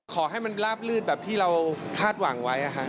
ขอให้มันลาบลื่นแบบที่เราคาดหวังไว้